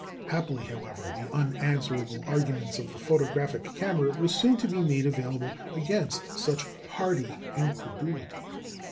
Happily, however, the unanswerable arguments of the photographic camera were soon to be made available against such hardy incredulity.